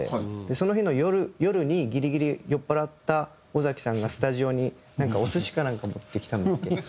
その日の夜にギリギリ酔っ払った尾崎さんがスタジオにお寿司かなんか持ってきたんだっけ？